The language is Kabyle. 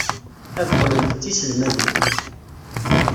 Ad qqlent d tiselmadin.